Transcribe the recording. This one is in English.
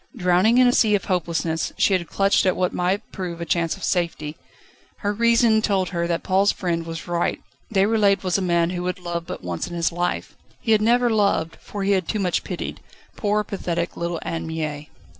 Drowning in a sea of hopelessness, she had clutched at what might prove a chance of safety. Her reason told her that Paul's friend was right. Déroulède was a man who would love but once in his life. He had never loved for he had too much pitied poor, pathetic little Anne Mie.